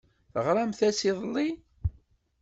Teɣramt-as iḍelli?